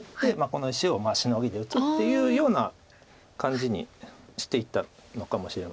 この石をシノギで打つっていうような感じにしていったのかもしれません。